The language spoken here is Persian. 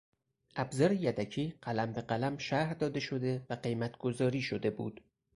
ابزار یدکی قلم به قلم شرح داده شده و قیمت گذاری شده بود.